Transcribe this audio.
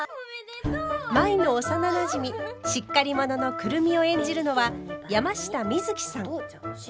舞の幼なじみしっかり者の久留美を演じるのは山下美月さん。